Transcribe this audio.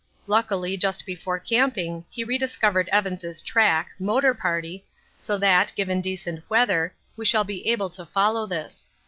Luckily just before camping he rediscovered Evans' track (motor party) so that, given decent weather, we shall be able to follow this.